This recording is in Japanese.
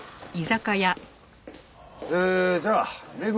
えーじゃあ目黒